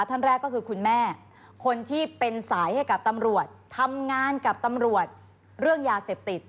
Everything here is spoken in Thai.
ท่านแรกก็คือคุณแม่คนที่เป็นสายให้กับตำรวจทำงานกับตำรวจเรื่องยาเสพติด